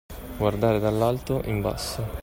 Guardare dall'alto in basso.